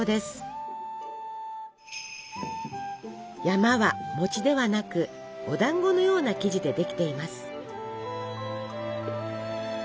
「山」は餅ではなくお団子のような生地でできています。